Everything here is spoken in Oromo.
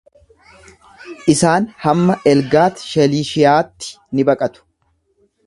Isaan hamma Eglaat-shelishiyaatti ni baqatu.